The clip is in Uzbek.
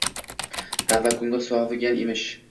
Tavba, ko`ngil sovigan emish